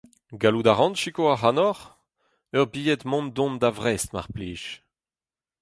Gallout a ran sikour ac’hanoc’h ? Ur bilhed mont-dont da Vrest, mar plij.